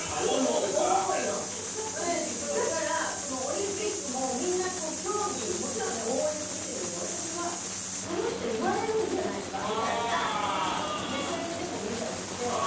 だから、オリンピックもみんな競技もちろん応援して見ているんだけど私は、この人言われるんじゃないかみたいな目線でも見たりして。